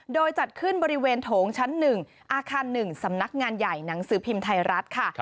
โดยจัดขึ้นบริเวณโถงชั้น๑อาคาร๑สำนักงานใหญ่หนังสือพิมพ์ไทยรัฐค่ะ